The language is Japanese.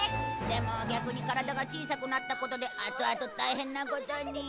でも逆に体が小さくなったことであとあと大変なことに